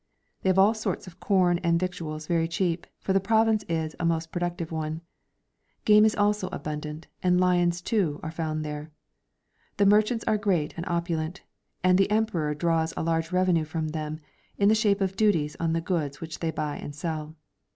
They have all sorts of corn and victuals very cheap, for the province is a most productive one. Game also is abimdant, and lions too are found tliere. The merchants are great and o])ulent, and the Emperor draws a large revenue from them, in the shape of duties on the goods which tlicy buy and sell.